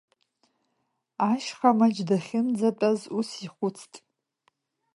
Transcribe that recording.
Ашьхамаџь дахьынӡатәаз ус ихәыцт…